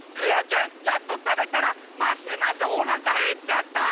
ちょっと食べたらますますおなかへっちゃった！